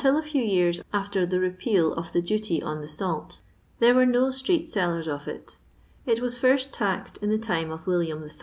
few years after the repeal of the duty on there were no street sellers of it It was d in the time of William III.